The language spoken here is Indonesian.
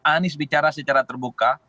anies bicara secara terbuka